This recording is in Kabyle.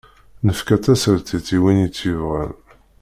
Nefka tasertit i win i tt-yebɣan.